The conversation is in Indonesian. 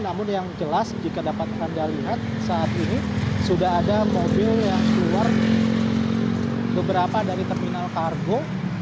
namun yang jelas jika dapat anda lihat saat ini sudah ada mobil yang keluar beberapa dari terminal kargo